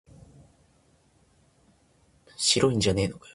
しるんじゃねえのかよ